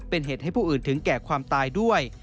เป็นเหตุให้ผู้อื่นถึงแก่ความตายด้วย